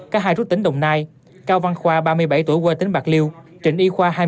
cả hai trú tỉnh đồng nai cao văn khoa ba mươi bảy tuổi quê tỉnh bạc liêu trịnh y khoa